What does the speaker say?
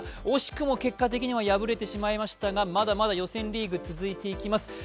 惜しくも結果的には敗れてしまいましたがまだまだ予選リーグは続いていきます。